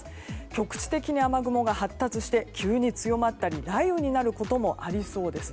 局地的に雨雲が発達して急に強まったり雷雨になることもありそうです。